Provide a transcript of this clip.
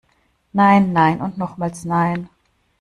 Nein, nein und nochmals nein!